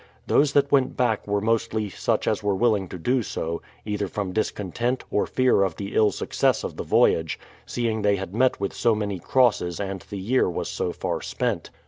Those that went back were mostly such as were willing to do so, either from discontent or fear of the ill success of the voyage, seeing they had met with so many crosses and the year was so far spent.